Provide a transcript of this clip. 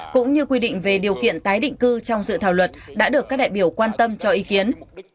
cũng như quy định về điều kiện tái định cư trong dự thảo luật đã được các đại biểu quan tâm cho ý kiến